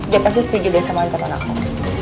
dia pasti setuju dengan samaan teman aku